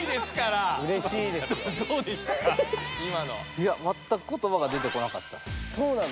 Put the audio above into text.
いやまったく言葉が出てこなかった。